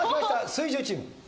水１０チーム！